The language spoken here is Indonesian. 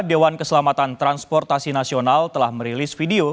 dewan keselamatan transportasi nasional telah merilis video